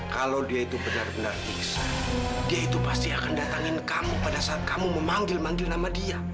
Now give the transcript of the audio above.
kalau dia itu benar benar pingsan dia itu pasti akan datangin kamu pada saat kamu memanggil manggil nama dia